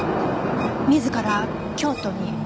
自ら京都に？